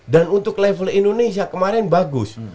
dan untuk level indonesia kemarin bagus